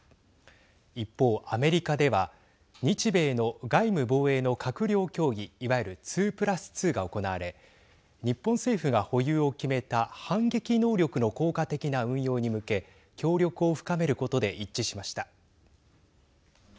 一方、アメリカでは日米の外務・防衛の閣僚協議いわゆる２プラス２が行われ日本政府が保有を決めた反撃能力の効果的な運用に向け協力を深めることで一致しました。